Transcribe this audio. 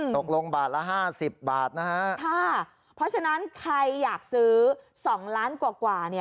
ตกลงบาทละห้าสิบบาทนะฮะถ้าเพราะฉะนั้นใครอยากซื้อสองล้านกว่ากว่าเนี้ย